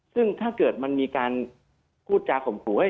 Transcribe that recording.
ซึ่งถ้าเกิดการมีการพูดจากของผู้